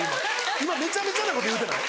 今めちゃめちゃなこと言うてない？